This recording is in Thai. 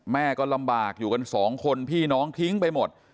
แม่ก็ลำบากอยู่กันสองคนพี่น้องทิ้งไปหมด